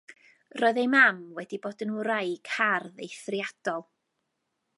Roedd ei mam wedi bod yn wraig hardd eithriadol.